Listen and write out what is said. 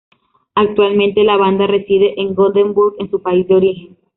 Actualmente la banda reside en Gothenburg, en su país de origen.